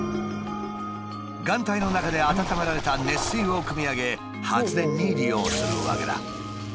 岩体の中で温められた熱水をくみ上げ発電に利用するわけだ。